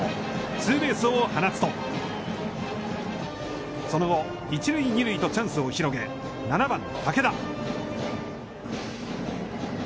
ツーベースを放つと、その後、一塁二塁とチャンスを広げ、７番の武田。